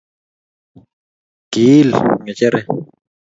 ki il ng'echere